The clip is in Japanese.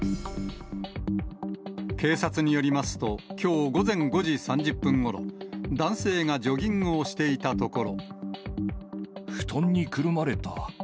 警察によりますと、きょう午前５時３０分ごろ、男性がジョギングをしていたところ。